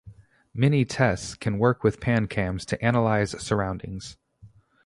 Mini-Tes can work with Pancams to analyze surroundings.